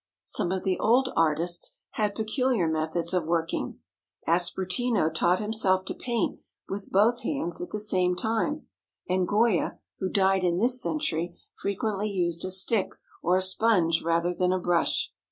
Some of the old artists had peculiar methods of working. Aspertino taught himself to paint with both hands at the same time; and Goya, who died in this century, frequently used a stick or a sponge rather than a brush.